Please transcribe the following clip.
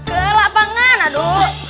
ke lapangan aduh